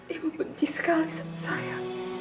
ibu benci sekali saya